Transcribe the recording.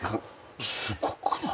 すごくない？